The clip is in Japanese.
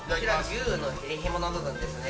牛のヒレひもの部分ですね